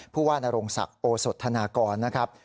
ผู้ว่านโรงศักดิ์โอสธนากรนะครับ